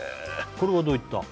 これはどういった？